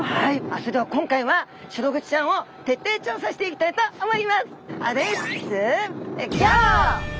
それでは今回はシログチちゃんを徹底調査していきたいと思います。